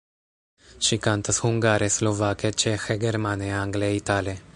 Ŝi kantas hungare, slovake, ĉeĥe, germane, angle, itale.